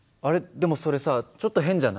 でもそれさちょっと変じゃない？